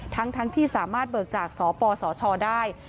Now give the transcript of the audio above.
ทั้งที่สามารถเบิกจากสปสชได้